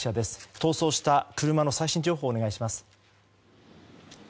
逃走した車の最新情報をお願いします。